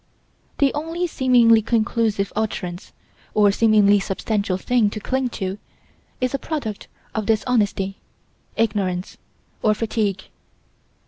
The only seemingly conclusive utterance, or seemingly substantial thing to cling to, is a product of dishonesty, ignorance, or fatigue.